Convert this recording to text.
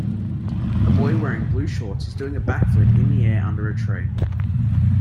A boy wearing blue shorts is doing a back flip in the air under a tree.